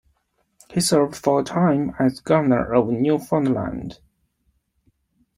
He served for a time as Governor of Newfoundland.